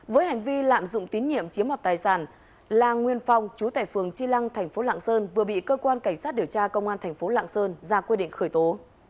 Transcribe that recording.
với hành vi lạm dụng tín nhiệm chiếm mọt tài sản la nguyên phong chú tài phường tri lăng thành phố lạng sơn vừa bị cơ quan cảnh sát điều tra công an thành phố lạng sơn ra quyết định khởi tố